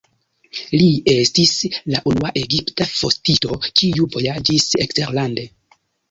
Li estis la unua egipta fotisto, kiu vojaĝis eksterlande.